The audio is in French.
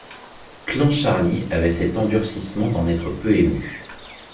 Clancharlie avait cet endurcissement d’en être peu ému.